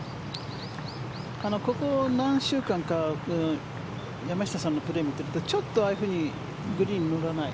ここ何週間か山下さんのプレーを見ているとちょっとああいうふうにグリーンに乗らない。